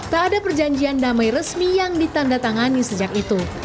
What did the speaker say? tak ada perjanjian damai resmi yang ditanda tangani sejak itu